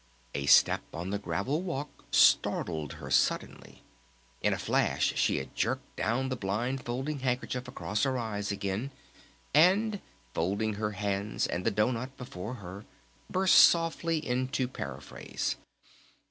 A step on the gravel walk startled her suddenly. In a flash she had jerked down the blind folding handkerchief across her eyes again, and folding her hands and the doughnut before her burst softly into paraphrase.